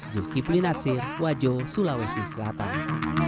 zulkifli nasir wajo sulawesi selatan